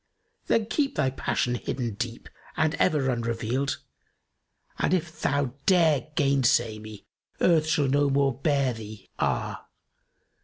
Then keep thy passion hidden deep and ever unrevealed, * And if thou dare gainsay me Earth shall no more bear thee, ah!